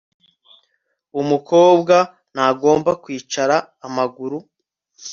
Umukobwa ntagomba kwicara amaguru